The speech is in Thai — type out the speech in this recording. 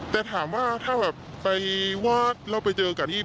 แต่ถามว่าถ้าผมไปเจอกันกันอีก